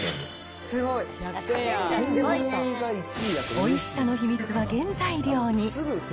おいしさの秘密は原材料に。